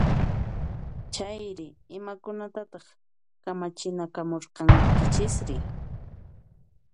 Chayri, imakunatataq kamachinakamurqankichisri?